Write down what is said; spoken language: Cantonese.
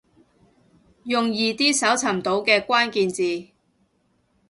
用易啲搜尋到嘅關鍵字